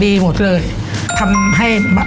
พี่หมวยถึงได้ใจอ่อนมั้งค่ะ